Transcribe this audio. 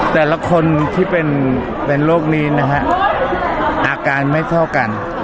แต่ละคนที่เป็นโรคนี้นะฮะอาการไม่เท่ากัน